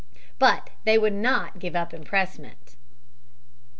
But they would not give up impressment.